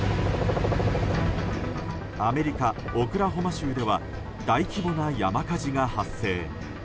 アメリカ・オクラホマ州では大規模な山火事が発生。